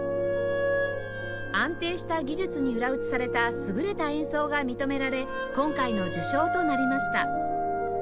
安定した技術に裏打ちされた優れた演奏が認められ今回の受賞となりました